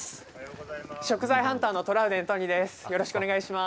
食材ハンターのトラウデン都仁です。